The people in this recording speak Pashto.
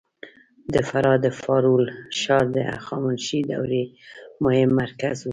د فراه د فارول ښار د هخامنشي دورې مهم مرکز و